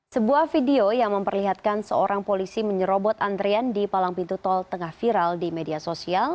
sebuah video yang memperlihatkan seorang polisi menyerobot antrean di palang pintu tol tengah viral di media sosial